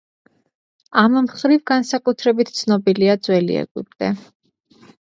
ამ მხრივ განსაკუთრებით ცნობილია ძველი ეგვიპტე.